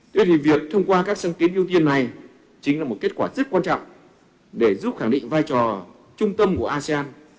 thế thì việc thông qua các sáng kiến ưu tiên này chính là một kết quả rất quan trọng để giúp khẳng định vai trò trung tâm của asean